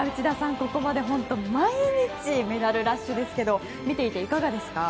ここまで毎日メダルラッシュですけど見ていていかがですか？